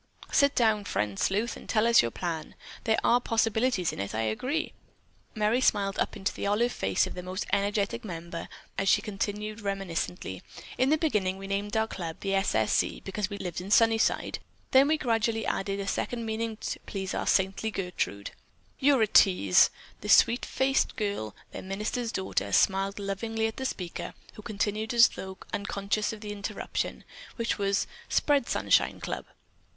"Sit down, friend sleuth, and tell us your plan. There are possibilities in it, I'll agree." Merry smiled up into the olive face of their most energetic member, as she continued reminiscently: "In the beginning we named our club The S. S. C. because we lived in Sunnyside; then we gradually added a second meaning to please our saintly Gertrude——" "You're a tease!" The sweet faced girl, their minister's daughter, smiled lovingly at the speaker, who continued as though unconscious of the interruption, "which was 'Spread Sunshine Club.